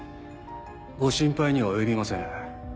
ご心配には及びません。